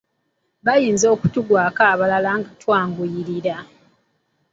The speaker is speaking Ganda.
Bayinza okutugwako nga balaba twanguyirira.